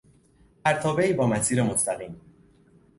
پرتابهای با مسیر مستقیم